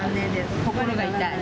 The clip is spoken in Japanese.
心が痛い。